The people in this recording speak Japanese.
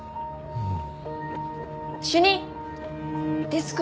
うん。